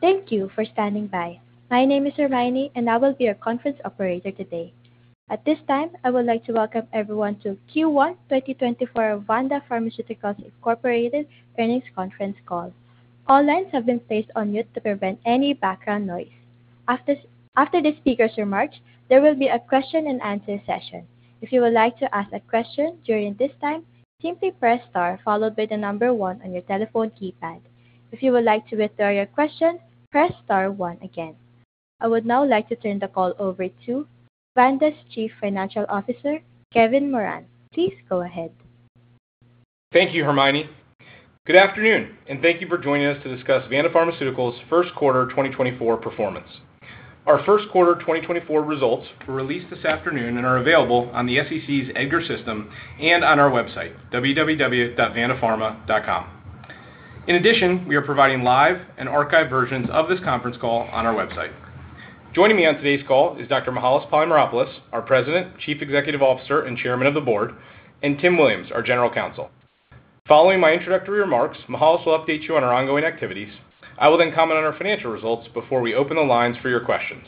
Thank you for standing by. My name is Hermione, and I will be your conference operator today. At this time, I would like to welcome everyone to Q1 2024 of Vanda Pharmaceuticals Incorporated Earnings Conference Call. All lines have been placed on mute to prevent any background noise. After the speaker's remarks, there will be a question-and-answer session. If you would like to ask a question during this time, simply press star followed by the number one on your telephone keypad. If you would like to withdraw your question, press star one again. I would now like to turn the call over to Vanda's Chief Financial Officer, Kevin Moran. Please go ahead. Thank you, Hermione. Good afternoon, and thank you for joining us to discuss Vanda Pharmaceuticals' first quarter 2024 performance. Our first quarter 2024 results were released this afternoon and are available on the SEC's EDGAR system and on our website, www.vandapharma.com. In addition, we are providing live and archived versions of this conference call on our website. Joining me on today's call is Dr. Mihael Polymeropoulos, our President, Chief Executive Officer, and Chairman of the Board, and Tim Williams, our General Counsel. Following my introductory remarks, Mihael will update you on our ongoing activities. I will then comment on our financial results before we open the lines for your questions.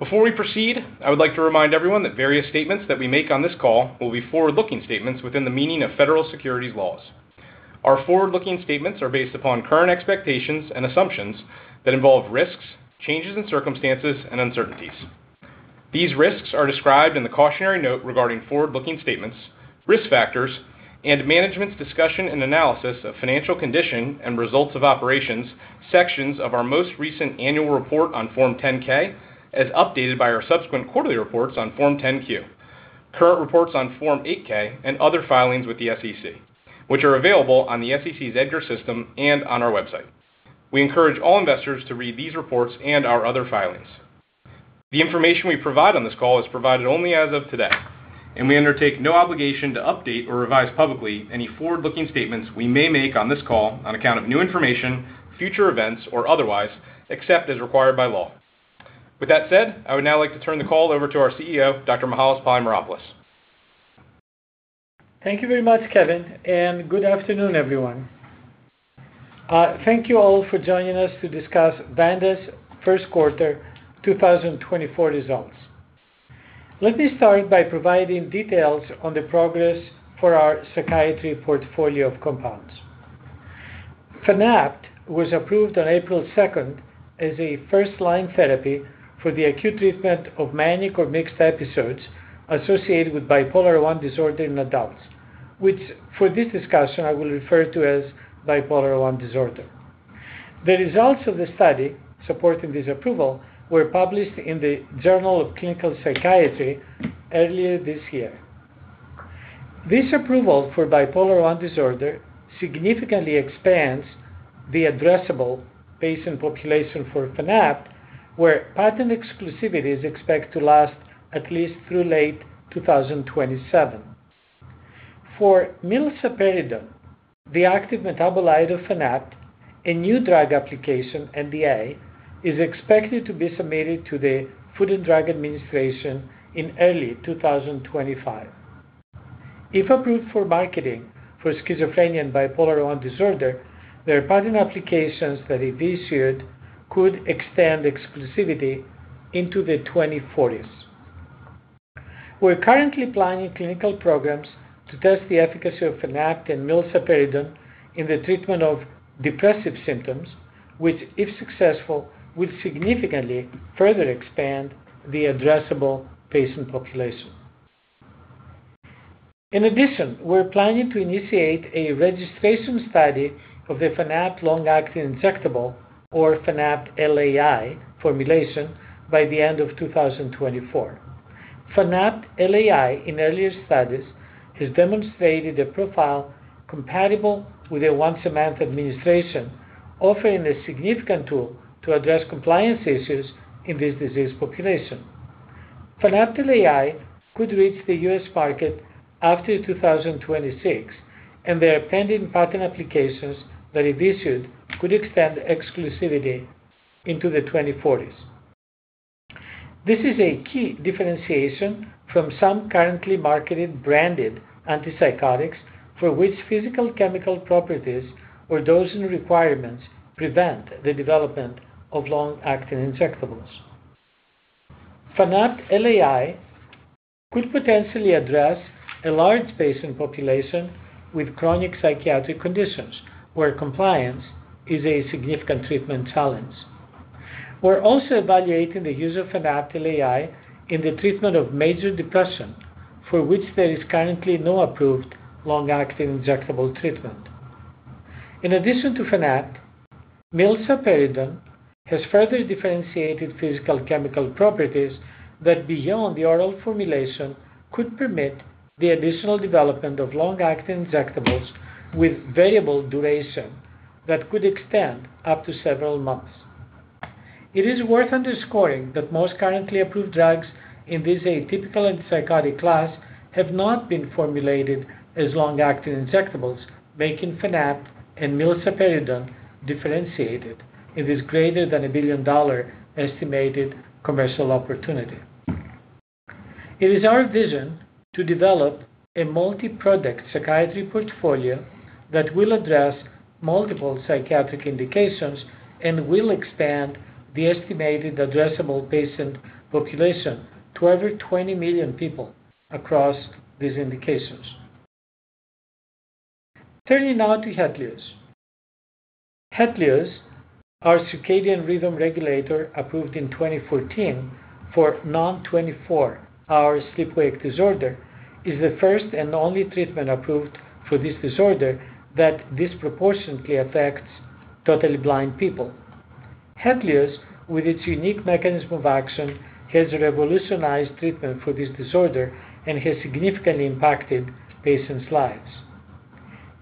Before we proceed, I would like to remind everyone that various statements that we make on this call will be forward-looking statements within the meaning of federal securities laws. Our forward-looking statements are based upon current expectations and assumptions that involve risks, changes in circumstances, and uncertainties. These risks are described in the cautionary note regarding forward-looking statements, risk factors, and management's discussion and analysis of financial condition and results of operations sections of our most recent annual report on Form 10-K, as updated by our subsequent quarterly reports on Form 10-Q, current reports on Form 8-K, and other filings with the SEC, which are available on the SEC's EDGAR system and on our website. We encourage all investors to read these reports and our other filings. The information we provide on this call is provided only as of today, and we undertake no obligation to update or revise publicly any forward-looking statements we may make on this call on account of new information, future events, or otherwise, except as required by law. With that said, I would now like to turn the call over to our CEO, Dr. Mihael Polymeropoulos. Thank you very much, Kevin, and good afternoon, everyone. Thank you all for joining us to discuss Vanda's first quarter 2024 results. Let me start by providing details on the progress for our psychiatry portfolio of compounds. Fanapt was approved on April 2nd as a first-line therapy for the acute treatment of manic or mixed episodes associated with Bipolar I disorder in adults, which for this discussion I will refer to as Bipolar I disorder. The results of the study supporting this approval were published in the Journal of Clinical Psychiatry earlier this year. This approval for Bipolar I disorder significantly expands the addressable patient population for Fanapt, where patent exclusivity is expected to last at least through late 2027. For milsaperidone, the active metabolite of Fanapt, a new drug application, NDA, is expected to be submitted to the Food and Drug Administration in early 2025. If approved for marketing for schizophrenia and Bipolar I disorder, there are patent applications that, if issued, could extend exclusivity into the 2040s. We're currently planning clinical programs to test the efficacy of Fanapt and milsaperidone in the treatment of depressive symptoms, which, if successful, will significantly further expand the addressable patient population. In addition, we're planning to initiate a registration study of the Fanapt long-acting injectable, or Fanapt LAI, formulation by the end of 2024. Fanapt LAI, in earlier studies, has demonstrated a profile compatible with a once-a-month administration, offering a significant tool to address compliance issues in this disease population. Fanapt LAI could reach the U.S. market after 2026, and there pending patent applications that, if issued, could extend exclusivity into the 2040s. This is a key differentiation from some currently marketed branded antipsychotics for which physical-chemical properties or dosing requirements prevent the development of long-acting injectables. Fanapt LAI could potentially address a large patient population with chronic psychiatric conditions, where compliance is a significant treatment challenge. We're also evaluating the use of Fanapt LAI in the treatment of major depression, for which there is currently no approved long-acting injectable treatment. In addition to Fanapt, milsaperidone has further differentiated physical-chemical properties that, beyond the oral formulation, could permit the additional development of long-acting injectables with variable duration that could extend up to several months. It is worth underscoring that most currently approved drugs in this atypical antipsychotic class have not been formulated as long-acting injectables, making Fanapt and milsaperidone differentiated in this greater than $1 billion estimated commercial opportunity. It is our vision to develop a multi-product psychiatry portfolio that will address multiple psychiatric indications and will expand the estimated addressable patient population to over 20 million people across these indications. Turning now to Hetlioz. Hetlioz, our circadian rhythm regulator approved in 2014 for non-24-hour sleep-wake disorder, is the first and only treatment approved for this disorder that disproportionately affects totally blind people. Hetlioz, with its unique mechanism of action, has revolutionized treatment for this disorder and has significantly impacted patients' lives.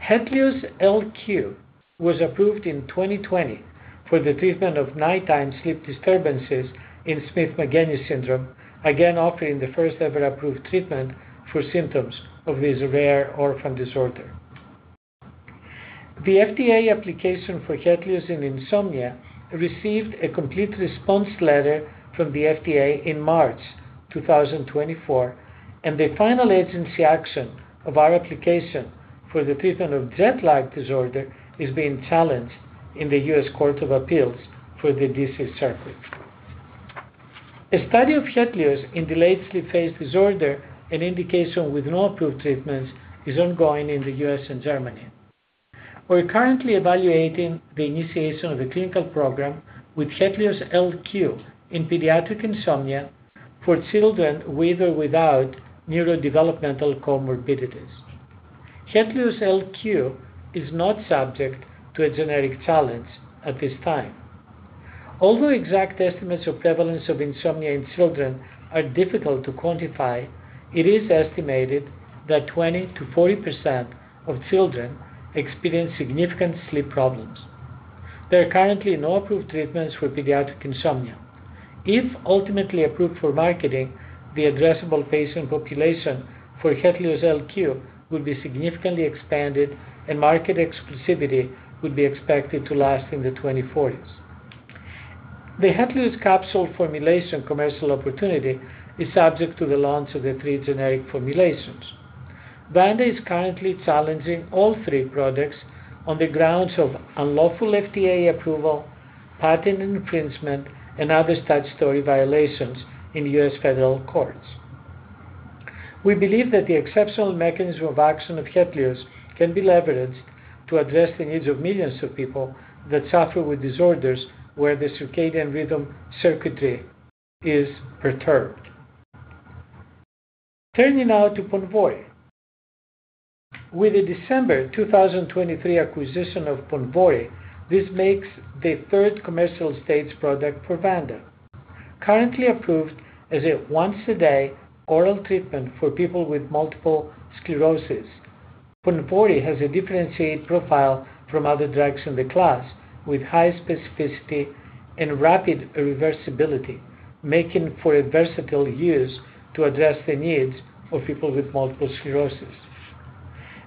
Hetlioz LQ was approved in 2020 for the treatment of nighttime sleep disturbances in Smith-Magenis syndrome, again offering the first-ever approved treatment for symptoms of this rare orphan disorder. The FDA application for Hetlioz in insomnia received a complete response letter from the FDA in March 2024, and the final agency action of our application for the treatment of jet-lag disorder is being challenged in the U.S. Court of Appeals for the D.C. Circuit. A study of Hetlioz in delayed sleep phase disorder, an indication with no approved treatments, is ongoing in the U.S. and Germany. We're currently evaluating the initiation of a clinical program with Hetlioz LQ in pediatric insomnia for children with or without neurodevelopmental comorbidities. Hetlioz LQ is not subject to a generic challenge at this time. Although exact estimates of prevalence of insomnia in children are difficult to quantify, it is estimated that 20%-40% of children experience significant sleep problems. There are currently no approved treatments for pediatric insomnia. If ultimately approved for marketing, the addressable patient population for Hetlioz LQ would be significantly expanded, and market exclusivity would be expected to last in the 2040s. The Hetlioz capsule formulation commercial opportunity is subject to the launch of the three generic formulations. Vanda is currently challenging all three products on the grounds of unlawful FDA approval, patent infringement, and other such statutory violations in U.S. federal courts. We believe that the exceptional mechanism of action of Hetlioz can be leveraged to address the needs of millions of people that suffer with disorders where the circadian rhythm circuitry is perturbed. Turning now to Ponvory. With the December 2023 acquisition of Ponvory, this makes the third commercial stage product for Vanda, currently approved as a once-a-day oral treatment for people with multiple sclerosis. Ponvory has a differentiated profile from other drugs in the class, with high specificity and rapid reversibility, making for versatile use to address the needs of people with multiple sclerosis.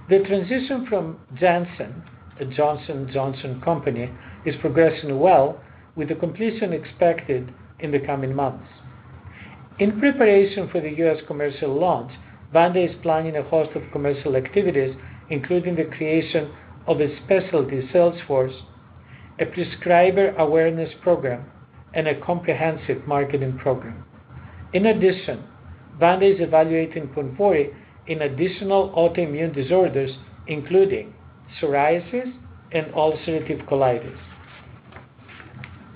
The transition from Janssen, a Johnson & Johnson company, is progressing well, with the completion expected in the coming months. In preparation for the U.S. commercial launch, Vanda is planning a host of commercial activities, including the creation of a specialty sales force, a prescriber awareness program, and a comprehensive marketing program. In addition, Vanda is evaluating Ponvory in additional autoimmune disorders, including psoriasis and ulcerative colitis.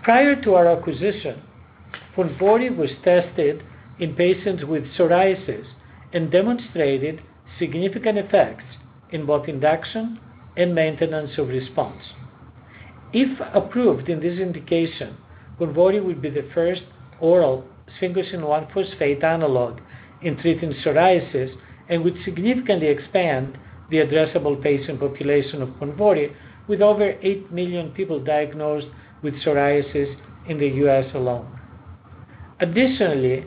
Prior to our acquisition, Ponvory was tested in patients with psoriasis and demonstrated significant effects in both induction and maintenance of response. If approved in this indication, Ponvory would be the first oral sphingosine-1-phosphate analog in treating psoriasis and would significantly expand the addressable patient population of Ponvory, with over 8 million people diagnosed with psoriasis in the U.S. alone. Additionally,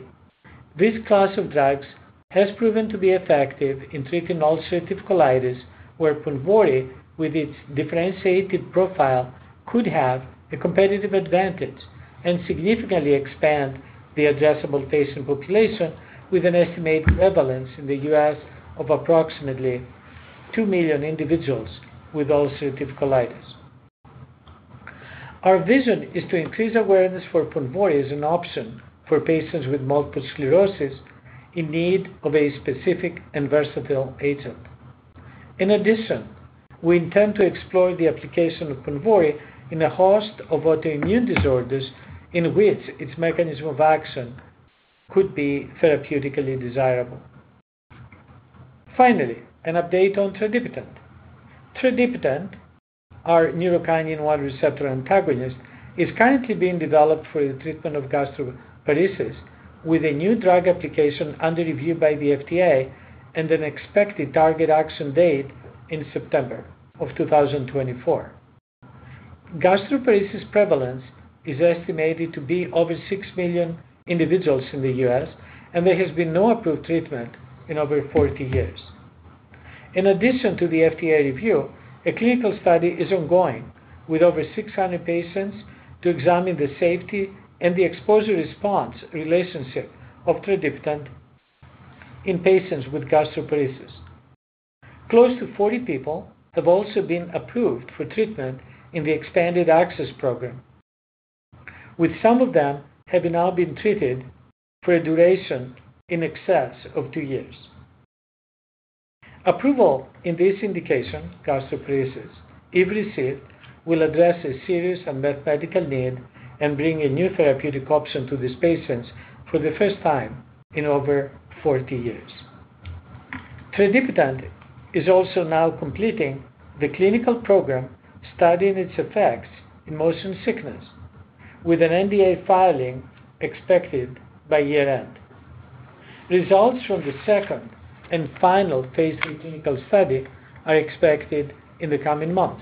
this class of drugs has proven to be effective in treating ulcerative colitis, where Ponvory, with its differentiated profile, could have a competitive advantage and significantly expand the addressable patient population, with an estimated prevalence in the U.S. of approximately two million individuals with ulcerative colitis. Our vision is to increase awareness for Ponvory as an option for patients with multiple sclerosis in need of a specific and versatile agent. In addition, we intend to explore the application of Ponvory in a host of autoimmune disorders in which its mechanism of action could be therapeutically desirable. Finally, an update on tradipitant. Tradipitant, our neurokinin-1 receptor antagonist, is currently being developed for the treatment of gastroparesis, with a new drug application under review by the FDA and an expected target action date in September of 2024. Gastroparesis prevalence is estimated to be over six million individuals in the U.S., and there has been no approved treatment in over 40 years. In addition to the FDA review, a clinical study is ongoing with over 600 patients to examine the safety and the exposure-response relationship of tradipitant in patients with gastroparesis. Close to 40 people have also been approved for treatment in the expanded access program, with some of them having now been treated for a duration in excess of two years. Approval in this indication, gastroparesis, if received, will address a serious and medical need and bring a new therapeutic option to these patients for the first time in over 40 years. Tradipitant is also now completing the clinical program studying its effects in motion sickness, with an NDA filing expected by year-end. Results from the second and final phase III clinical study are expected in the coming months.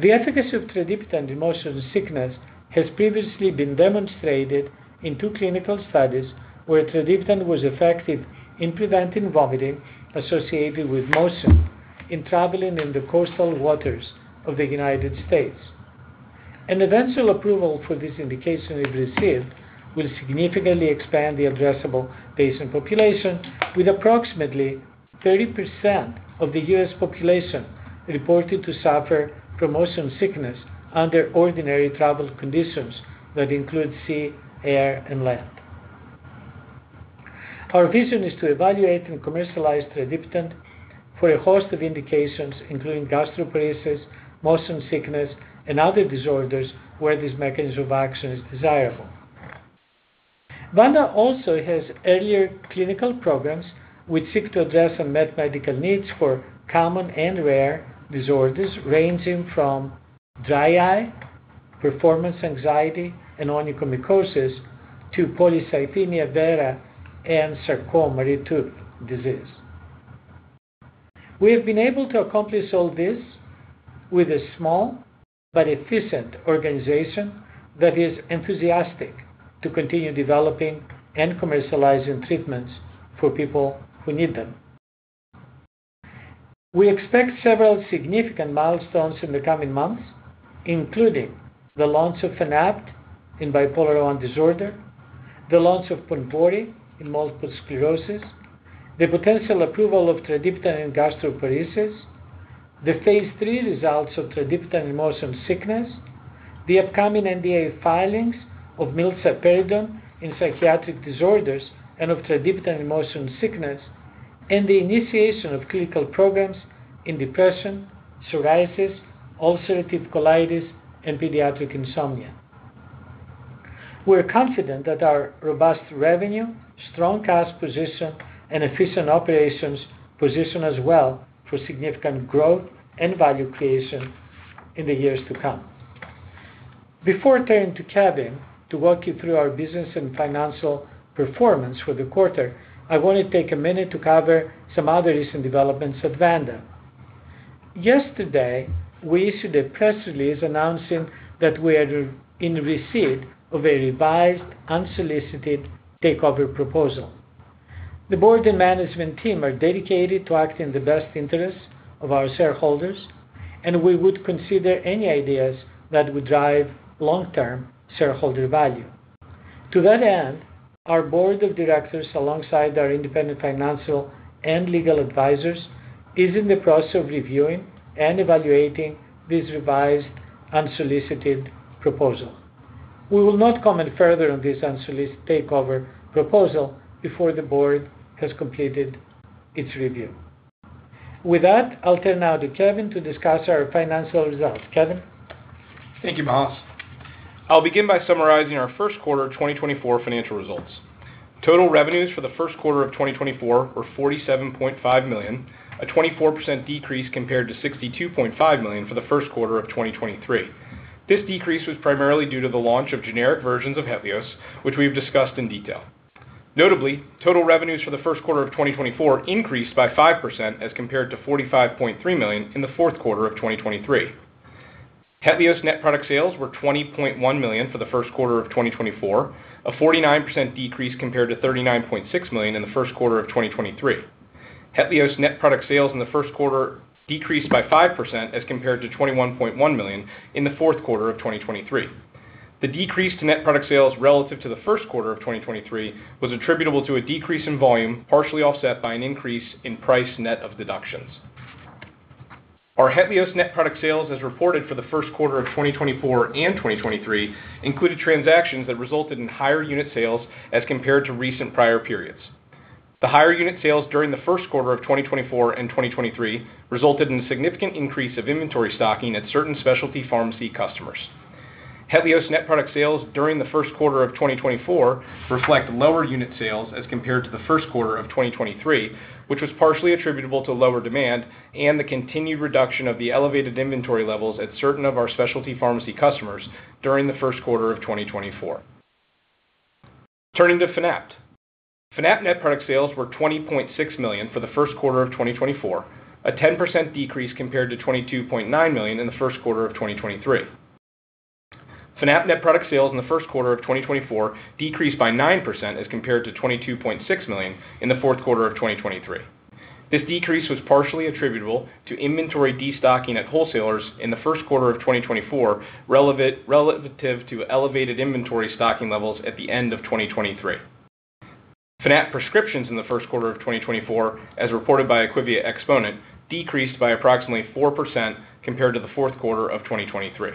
The efficacy of tradipitant in motion sickness has previously been demonstrated in two clinical studies where tradipitant was effective in preventing vomiting associated with motion in traveling in the coastal waters of the United States. An eventual approval for this indication, if received, will significantly expand the addressable patient population, with approximately 30% of the U.S. population reported to suffer from motion sickness under ordinary travel conditions that include sea, air, and land. Our vision is to evaluate and commercialize tradipitant for a host of indications, including gastroparesis, motion sickness, and other disorders where this mechanism of action is desirable. Vanda also has earlier clinical programs which seek to address unmet medical needs for common and rare disorders ranging from dry eye, performance anxiety, and onychomycosis to polycythemia vera and Charcot-Marie-Tooth disease. We have been able to accomplish all this with a small but efficient organization that is enthusiastic to continue developing and commercializing treatments for people who need them. We expect several significant milestones in the coming months, including the launch of Fanapt in Bipolar I disorder, the launch of Ponvory in multiple sclerosis, the potential approval of tradipitant in gastroparesis, the phase III results of tradipitant in motion sickness, the upcoming NDA filings of milsaperidone in psychiatric disorders and of tradipitant in motion sickness, and the initiation of clinical programs in depression, psoriasis, ulcerative colitis, and pediatric insomnia. We're confident that our robust revenue, strong cash position, and efficient operations position us well for significant growth and value creation in the years to come. Before turning to Kevin to walk you through our business and financial performance for the quarter, I want to take a minute to cover some other recent developments at Vanda. Yesterday, we issued a press release announcing that we are in receipt of a revised, unsolicited takeover proposal. The board and management team are dedicated to acting in the best interests of our shareholders, and we would consider any ideas that would drive long-term shareholder value. To that end, our board of directors, alongside our independent financial and legal advisors, is in the process of reviewing and evaluating this revised, unsolicited proposal. We will not comment further on this unsolicited takeover proposal before the board has completed its review. With that, I'll turn now to Kevin to discuss our financial results. Kevin? Thank you, Mihael. I'll begin by summarizing our first quarter 2024 financial results. Total revenues for the first quarter of 2024 were $47.5 million, a 24% decrease compared to $62.5 million for the first quarter of 2023. This decrease was primarily due to the launch of generic versions of Hetlioz, which we have discussed in detail. Notably, total revenues for the first quarter of 2024 increased by 5% as compared to $45.3 million in the fourth quarter of 2023. Hetlioz net product sales were $20.1 million for the first quarter of 2024, a 49% decrease compared to $39.6 million in the first quarter of 2023. Hetlioz net product sales in the first quarter decreased by 5% as compared to $21.1 million in the fourth quarter of 2023. The decrease to net product sales relative to the first quarter of 2023 was attributable to a decrease in volume partially offset by an increase in price net of deductions. Our Hetlioz net product sales, as reported for the first quarter of 2024 and 2023, included transactions that resulted in higher unit sales as compared to recent prior periods. The higher unit sales during the first quarter of 2024 and 2023 resulted in a significant increase of inventory stocking at certain specialty pharmacy customers. Hetlioz net product sales during the first quarter of 2024 reflect lower unit sales as compared to the first quarter of 2023, which was partially attributable to lower demand and the continued reduction of the elevated inventory levels at certain of our specialty pharmacy customers during the first quarter of 2024. Turning to Fanapt. Fanapt net product sales were $20.6 million for the first quarter of 2024, a 10% decrease compared to $22.9 million in the first quarter of 2023. Fanapt net product sales in the first quarter of 2024 decreased by 9% as compared to $22.6 million in the fourth quarter of 2023. This decrease was partially attributable to inventory destocking at wholesalers in the first quarter of 2024 relative to elevated inventory stocking levels at the end of 2023. Fanapt prescriptions in the first quarter of 2024, as reported by IQVIA Xponent, decreased by approximately 4% compared to the fourth quarter of 2023.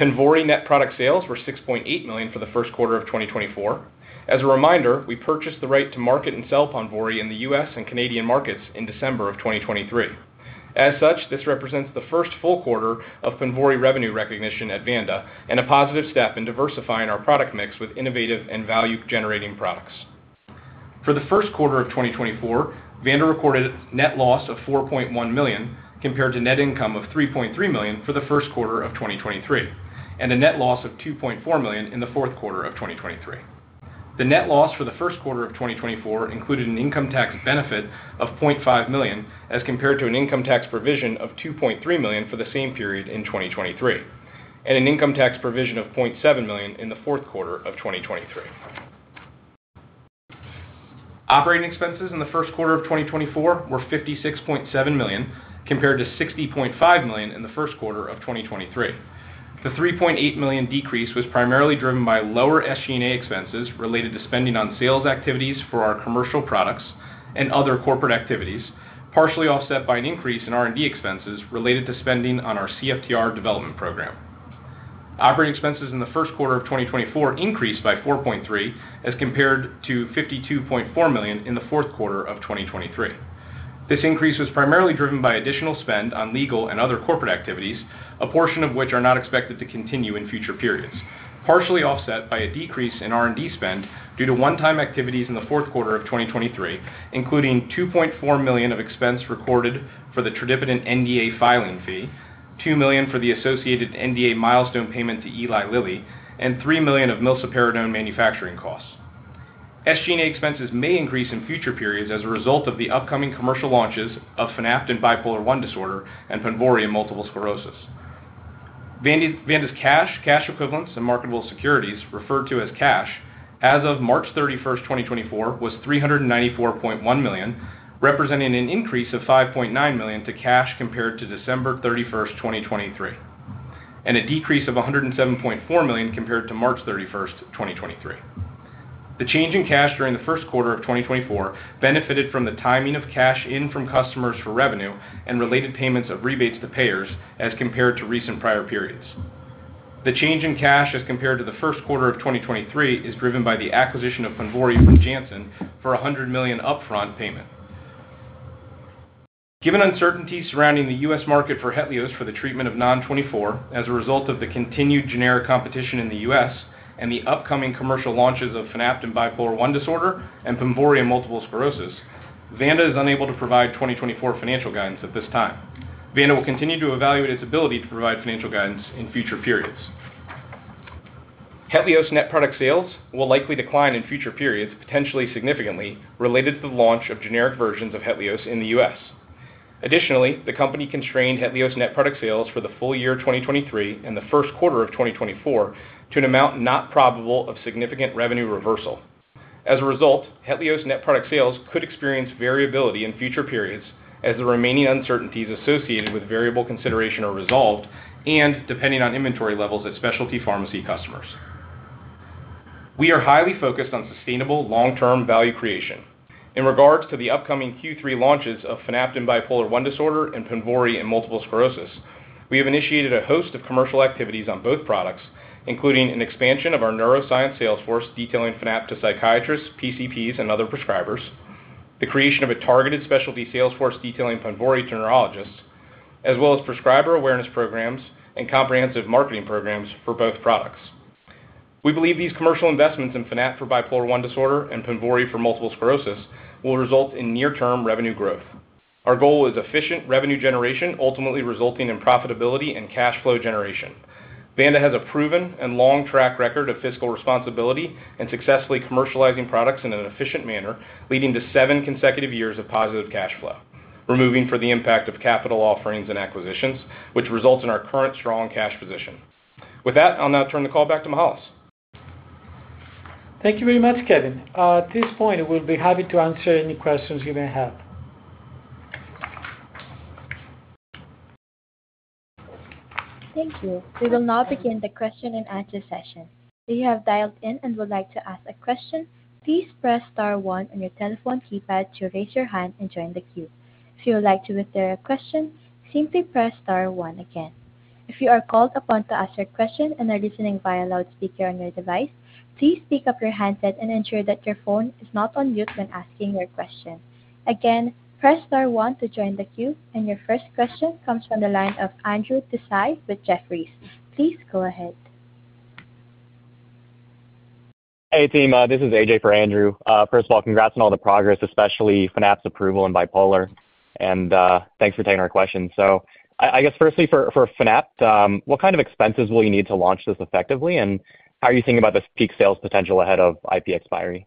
Ponvory net product sales were $6.8 million for the first quarter of 2024. As a reminder, we purchased the right to market and sell Ponvory in the U.S. and Canadian markets in December of 2023. As such, this represents the first full quarter of Ponvory revenue recognition at Vanda and a positive step in diversifying our product mix with innovative and value-generating products. For the first quarter of 2024, Vanda recorded a net loss of $4.1 million compared to net income of $3.3 million for the first quarter of 2023, and a net loss of $2.4 million in the fourth quarter of 2023. The net loss for the first quarter of 2024 included an income tax benefit of $0.5 million as compared to an income tax provision of $2.3 million for the same period in 2023, and an income tax provision of $0.7 million in the fourth quarter of 2023. Operating expenses in the first quarter of 2024 were $56.7 million compared to $60.5 million in the first quarter of 2023. The $3.8 million decrease was primarily driven by lower SG&A expenses related to spending on sales activities for our commercial products and other corporate activities, partially offset by an increase in R&D expenses related to spending on our CFTR development program. Operating expenses in the first quarter of 2024 increased by $4.3 million as compared to $52.4 million in the fourth quarter of 2023. This increase was primarily driven by additional spend on legal and other corporate activities, a portion of which are not expected to continue in future periods, partially offset by a decrease in R&D spend due to one-time activities in the fourth quarter of 2023, including $2.4 million of expense recorded for the tradipitant NDA filing fee, $2 million for the associated NDA milestone payment to Eli Lilly, and $3 million of milsaperidone manufacturing costs. SG&A expenses may increase in future periods as a result of the upcoming commercial launches of Fanapt in Bipolar I disorder and Ponvory in multiple sclerosis. Vanda's cash, cash equivalents, and marketable securities, referred to as cash, as of March 31st, 2024, was $394.1 million, representing an increase of $5.9 million to cash compared to December 31st, 2023, and a decrease of $107.4 million compared to March 31st, 2023. The change in cash during the first quarter of 2024 benefited from the timing of cash in from customers for revenue and related payments of rebates to payers as compared to recent prior periods. The change in cash as compared to the first quarter of 2023 is driven by the acquisition of Ponvory from Janssen for a $100 million upfront payment. Given uncertainty surrounding the U.S. market for Hetlioz for the treatment of non-24 as a result of the continued generic competition in the U.S. and the upcoming commercial launches of Fanapt in Bipolar I disorder and Ponvory in multiple sclerosis, Vanda is unable to provide 2024 financial guidance at this time. Vanda will continue to evaluate its ability to provide financial guidance in future periods. Hetlioz net product sales will likely decline in future periods, potentially significantly, related to the launch of generic versions of Hetlioz in the U.S. Additionally, the company constrained Hetlioz net product sales for the full year 2023 and the first quarter of 2024 to an amount not probable of significant revenue reversal. As a result, Hetlioz net product sales could experience variability in future periods as the remaining uncertainties associated with variable consideration are resolved and depending on inventory levels at specialty pharmacy customers. We are highly focused on sustainable, long-term value creation. In regards to the upcoming Q3 launches of Fanapt in Bipolar I disorder and Ponvory in multiple sclerosis, we have initiated a host of commercial activities on both products, including an expansion of our neuroscience sales force detailing Fanapt to psychiatrists, PCPs, and other prescribers, the creation of a targeted specialty sales force detailing Ponvory to neurologists, as well as prescriber awareness programs and comprehensive marketing programs for both products. We believe these commercial investments in Fanapt for Bipolar I disorder and Ponvory for multiple sclerosis will result in near-term revenue growth. Our goal is efficient revenue generation, ultimately resulting in profitability and cash flow generation. Vanda has a proven and long track record of fiscal responsibility and successfully commercializing products in an efficient manner, leading to seven consecutive years of positive cash flow, removing for the impact of capital offerings and acquisitions, which results in our current strong cash position. With that, I'll now turn the call back to Mihael. Thank you very much, Kevin. At this point, we'll be happy to answer any questions you may have. Thank you. We will now begin the question-and-answer session. If you have dialed in and would like to ask a question, please press star one on your telephone keypad to raise your hand and join the queue. If you would like to reiterate a question, simply press star one again. If you are called upon to ask your question and are listening via loudspeaker on your device, please pick up your handset and ensure that your phone is not on mute when asking your question. Again, press star one to join the queue, and your first question comes from the line of Andrew Tsai with Jefferies. Please go ahead. Hey, team. This is AJ for Andrew. First of all, congrats on all the progress, especially Fanapt's approval in Bipolar, and thanks for taking our questions. So I guess firstly, for Fanapt, what kind of expenses will you need to launch this effectively, and how are you thinking about this peak sales potential ahead of IP expiry?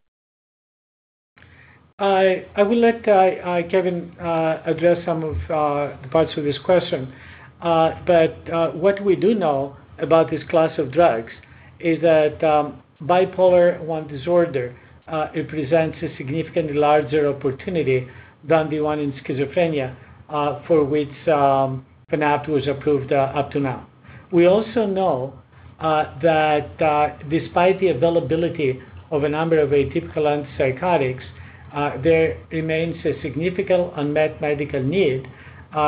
I would like Kevin to address some of the parts of this question. But what we do know about this class of drugs is that Bipolar I disorder, it presents a significantly larger opportunity than the one in schizophrenia for which Fanapt was approved up to now. We also know that despite the availability of a number of atypical antipsychotics, there remains a significant unmet medical need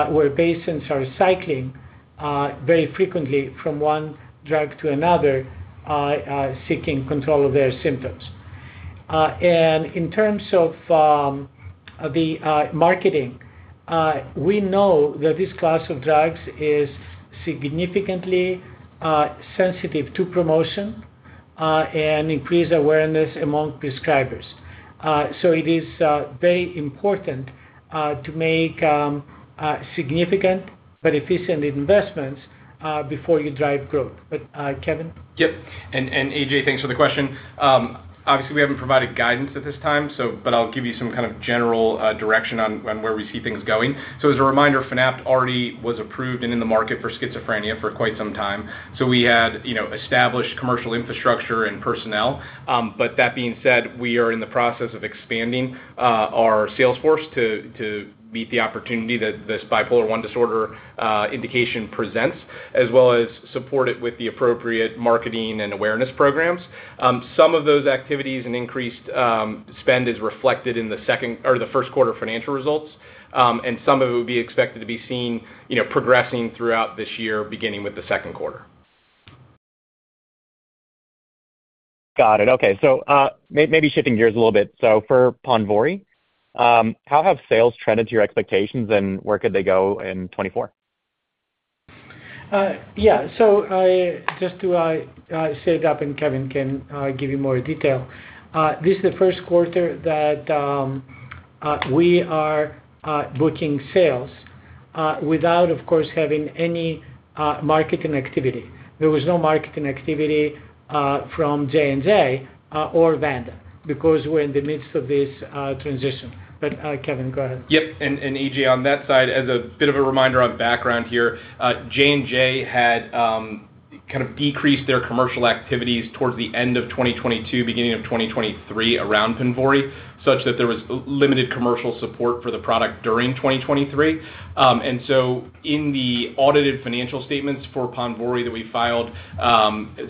where patients are cycling very frequently from one drug to another seeking control of their symptoms. In terms of the marketing, we know that this class of drugs is significantly sensitive to promotion and increased awareness among prescribers. So it is very important to make significant but efficient investments before you drive growth. But Kevin? Yep. And AJ, thanks for the question. Obviously, we haven't provided guidance at this time, but I'll give you some kind of general direction on where we see things going. So as a reminder, Fanapt already was approved and in the market for schizophrenia for quite some time. So we had established commercial infrastructure and personnel. But that being said, we are in the process of expanding our salesforce to meet the opportunity that this Bipolar I disorder indication presents, as well as support it with the appropriate marketing and awareness programs. Some of those activities and increased spend is reflected in the second or the first quarter financial results, and some of it would be expected to be seen progressing throughout this year, beginning with the second quarter. Got it. Okay. So maybe shifting gears a little bit. So for Ponvory, how have sales trended to your expectations, and where could they go in 2024? Yeah. So just to set it up, and Kevin can give you more detail. This is the first quarter that we are booking sales without, of course, having any marketing activity. There was no marketing activity from J&J or Vanda because we're in the midst of this transition. But Kevin, go ahead. Yep. And AJ, on that side, as a bit of a reminder on background here, J&J had kind of decreased their commercial activities towards the end of 2022, beginning of 2023, around Ponvory such that there was limited commercial support for the product during 2023. And so in the audited financial statements for Ponvory that we filed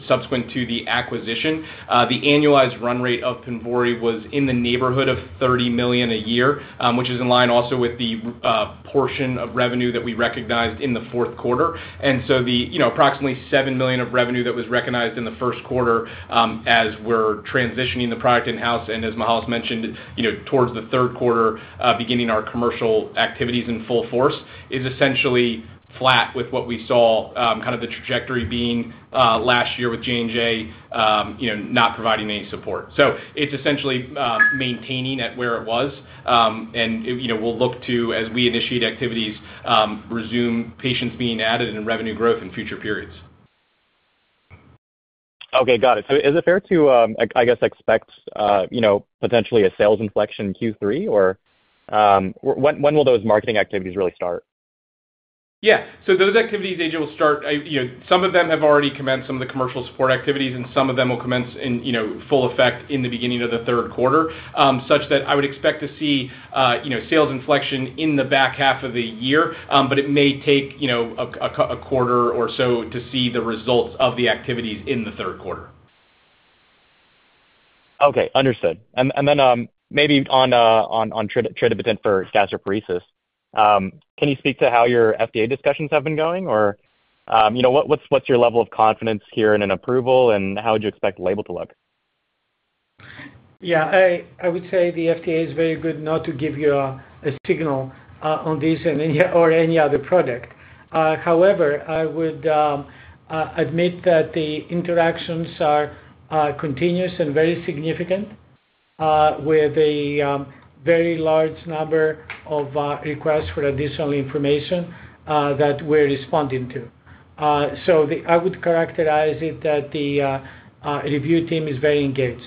subsequent to the acquisition, the annualized run rate of Ponvory was in the neighborhood of $30 million a year, which is in line also with the portion of revenue that we recognized in the fourth quarter. And so the approximately $7 million of revenue that was recognized in the first quarter as we're transitioning the product in-house and, as Mihael mentioned, towards the third quarter, beginning our commercial activities in full force, is essentially flat with what we saw, kind of the trajectory being last year with J&J not providing any support. So it's essentially maintaining at where it was. And we'll look to, as we initiate activities, resume patients being added and revenue growth in future periods. Okay. Got it. So is it fair to, I guess, expect potentially a sales inflection Q3, or when will those marketing activities really start? Yeah. So those activities, AJ, will start; some of them have already commenced some of the commercial support activities, and some of them will commence in full effect in the beginning of the third quarter, such that I would expect to see sales inflection in the back half of the year. But it may take a quarter or so to see the results of the activities in the third quarter. Okay. Understood. And then maybe on tradipitant for gastroparesis, can you speak to how your FDA discussions have been going, or what's your level of confidence here in an approval, and how would you expect the label to look? Yeah. I would say the FDA is very good not to give you a signal on this or any other product. However, I would admit that the interactions are continuous and very significant with a very large number of requests for additional information that we're responding to. So I would characterize it that the review team is very engaged.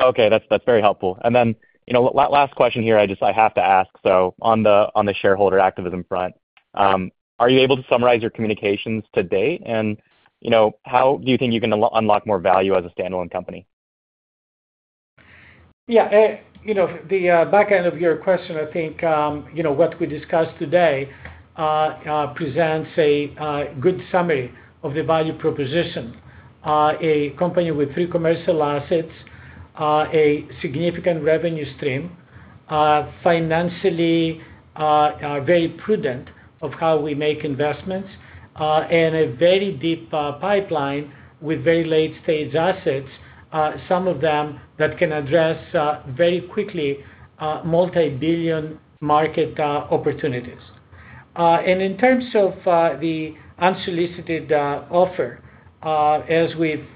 Okay. That's very helpful. And then last question here, I have to ask. So on the shareholder activism front, are you able to summarize your communications to date, and how do you think you can unlock more value as a standalone company? Yeah. The back end of your question, I think what we discussed today presents a good summary of the value proposition: a company with three commercial assets, a significant revenue stream, financially very prudent of how we make investments, and a very deep pipeline with very late-stage assets, some of them that can address very quickly multi-billion market opportunities. In terms of the unsolicited offer, as we've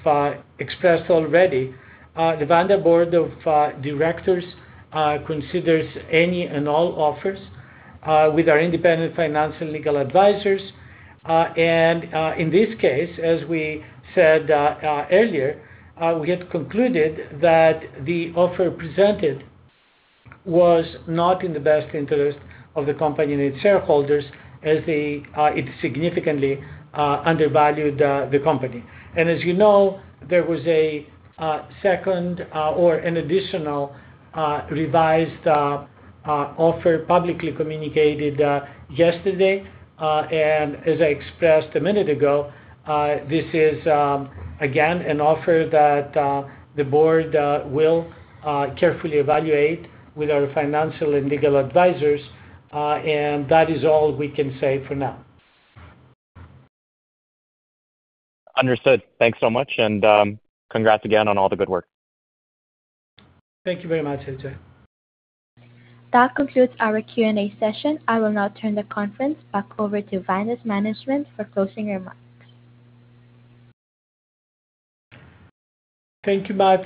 expressed already, the Vanda board of directors considers any and all offers with our independent financial and legal advisors. In this case, as we said earlier, we had concluded that the offer presented was not in the best interest of the company and its shareholders as it significantly undervalued the company. As you know, there was a second or an additional revised offer publicly communicated yesterday. As I expressed a minute ago, this is, again, an offer that the board will carefully evaluate with our financial and legal advisors. That is all we can say for now. Understood. Thanks so much, and congrats again on all the good work. Thank you very much, AJ. That concludes our Q&A session. I will now turn the conference back over to Vanda's management for closing remarks. Thank you much,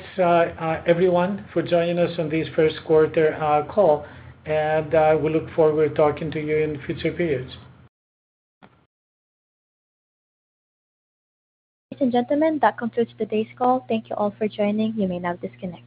everyone, for joining us on this first quarter call. We look forward to talking to you in future periods. Ladies and gentlemen, that concludes today's call. Thank you all for joining. You may now disconnect.